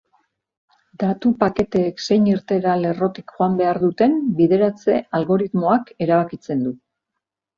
Datu-paketeek zein irteera-lerrotik joan behar duten, bideratze-algoritmoak erabakitzen du.